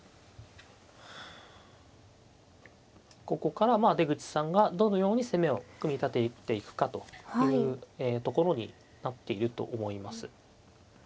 ここからまあ出口さんがどのように攻めを組み立てていくかというところになっていると思います。